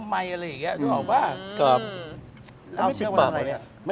อ้ามอย่าชั่วนะ